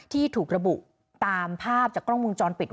ที่ถูกระบุตามภาพจากกล้องวงจรปิด